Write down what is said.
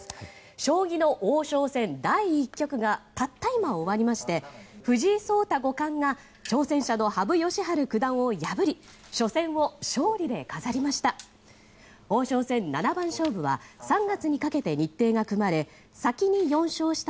将棋の王将戦第１局がたった今、終わりまして藤井聡太五冠が挑戦者の羽生善治九段を破り初戦を勝利で飾りました。